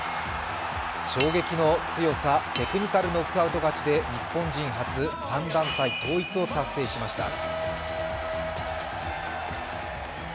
衝撃の強さ、テクニカルノックアウト勝ちで日本人初、３団体統一を達成しました。